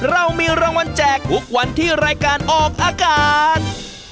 เรามีรางวัลแจกทุกวันที่รายการออกอากาศ